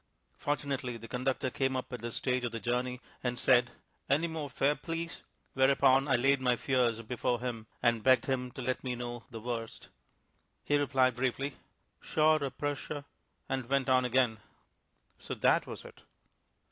Fortunately the conductor came up at this stage of the journey and said "Ennimorfairplees," whereupon I laid my fears before him and begged him to let me know the worst. He replied briefly, "Shorerpersher," and went down again. So that was it.